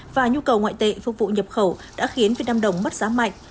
và nhu cầu ngoại tệ phục vụ nhập khẩu đã khiến việt nam đồng mất giá mạnh